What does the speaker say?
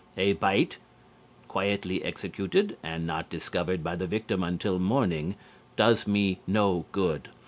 A bite, quietly executed and not discovered by the victim until morning, does me no good.